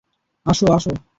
আসো, আসো!